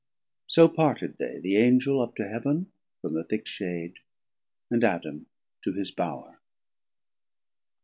So parted they, the Angel up to Heav'n From the thick shade, and Adam to his Bowre.